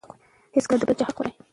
هېڅکله د بل چا حق مه خورئ.